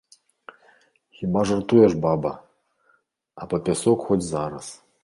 Хіба жартуеш баба, а па пясок хоць зараз.